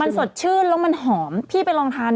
มะม่วงสุกก็มีเหมือนกันมะม่วงสุกก็มีเหมือนกัน